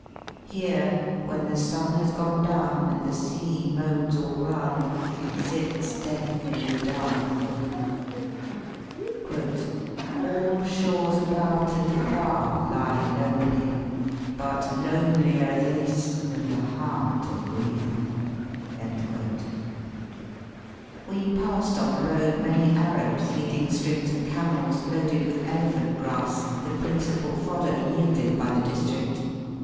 Here, when the sun has gone down and the sea moans all round, sits Death in the dark alone. AH shores about and afar lie lonely, But lonelier this than the heart of grief. We passed on the road many Arabs leading strings of camels loaded with elephant grass, the principal fodder yielded by the district.